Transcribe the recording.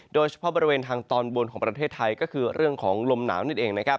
โดยเฉพาะบริเวณทางตอนบนของประเทศไทยก็คือเรื่องของลมหนาวนั่นเองนะครับ